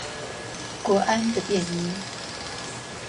國安的便衣